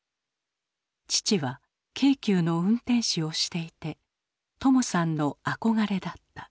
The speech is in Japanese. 父は京急の運転士をしていて友さんの憧れだった。